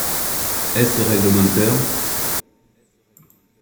Est-ce réglementaire?